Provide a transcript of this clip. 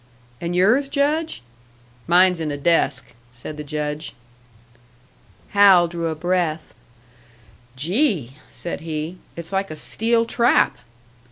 "And yours, Judge?" "Mine's in the desk," said the Judge. Hal drew a breath. "Gee!" said he. "It's like a steel trap!"